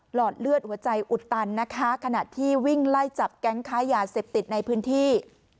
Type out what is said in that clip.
หอดเลือดหัวใจอุดตันนะคะขณะที่วิ่งไล่จับแก๊งค้ายาเสพติดในพื้นที่